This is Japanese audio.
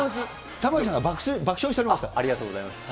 玉城さんが爆笑しておりましありがとうございます。